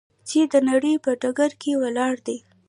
چې د نړۍ په ډګر کې ولاړ دی.